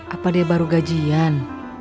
apa dia baru gajian